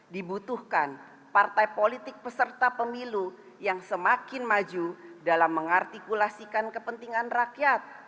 dibutuhkan partai politik peserta pemilu yang semakin maju dalam mengartikulasikan kepentingan rakyat